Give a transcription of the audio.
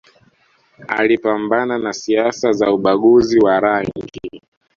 Alipambana na siasa za ubaguzi wa rangi